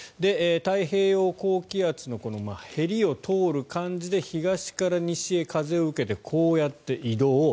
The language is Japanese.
太平洋高気圧のへりを通る感じで東から西へ風を受けてこうやって移動。